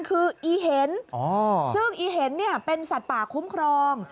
คืออีเห็นซึ่งอีเห็นเป็นสัตว์ป่าคุ้มครอง